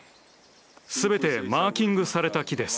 すべてマーキングされた木です。